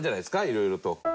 いろいろと。